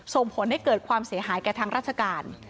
ส่งผลได้เกิดความเสียหายกับทั้งราชกาล